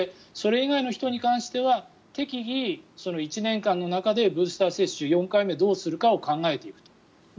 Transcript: それ以外の人に関しては適宜、１年間の中でブースター接種４回目をどうするかを考えていくと。